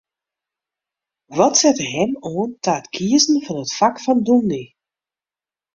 Wat sette him oan ta it kiezen fan it fak fan dûmny?